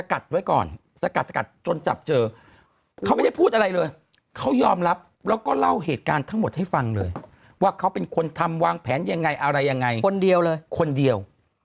กัดไว้ก่อนสกัดสกัดจนจับเจอเขาไม่ได้พูดอะไรเลยเขายอมรับแล้วก็เล่าเหตุการณ์ทั้งหมดให้ฟังเลยว่าเขาเป็นคนทำวางแผนยังไงอะไรยังไงคนเดียวเลยคนเดียว